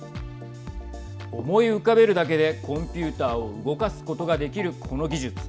思い浮かべるだけでコンピューターを動かすことができるこの技術。